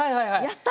やった？